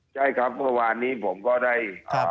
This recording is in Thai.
ใช่ครับประวัตินี้ผมก็ได้